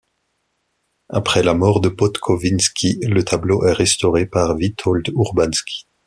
Après la mort de Podkowiński, le tableau est restauré par Witold Urbański.